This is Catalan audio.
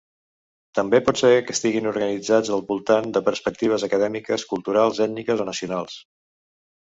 També pot ser que estiguin organitzats al voltant de perspectives acadèmiques, culturals, ètniques o nacionals.